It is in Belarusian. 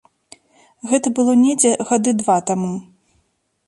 Гэта было недзе гады два таму.